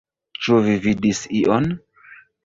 Ĉu vi vidis ion?